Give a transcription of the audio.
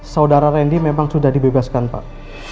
saudara randy memang sudah dibebaskan pak